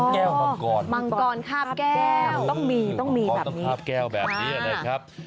แก้วมังกรคาบแก้วต้องมีต้องมีแบบนี้ค่ะมังกรต้องคาบแก้วแบบนี้เลยครับ